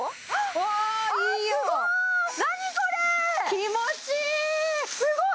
気持ちいい！